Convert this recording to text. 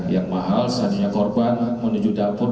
yang mahal seharusnya korban menuju dapur